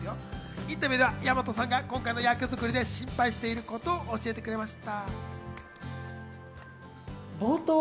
インタビューでは大和さんが今回の役作りで心配していることを教えてくれました。